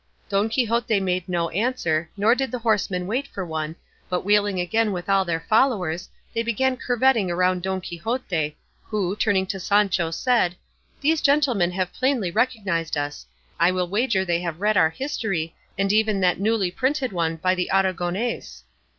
Don Quixote made no answer, nor did the horsemen wait for one, but wheeling again with all their followers, they began curvetting round Don Quixote, who, turning to Sancho, said, "These gentlemen have plainly recognised us; I will wager they have read our history, and even that newly printed one by the Aragonese."